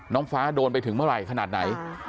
น้องฟ้าโดนไปถึงเมื่อไหร่ขนาดไหน